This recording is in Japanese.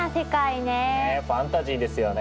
ねえファンタジーですよね。